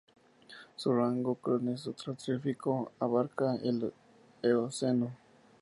Su rango cronoestratigráfico abarcaba el Eoceno.